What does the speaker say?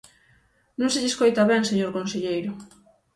Non se lle escoita ben, señor conselleiro.